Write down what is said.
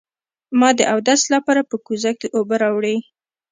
ما د اودس لپاره په کوزه کې اوبه راوړې.